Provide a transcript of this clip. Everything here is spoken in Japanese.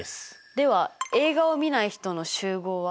では映画をみない人の集合は？